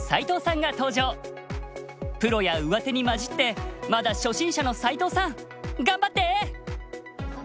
プロや上手に交じってまだ初心者の齋藤さん頑張って！